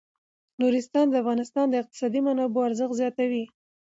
نورستان د افغانستان د اقتصادي منابعو ارزښت زیاتوي.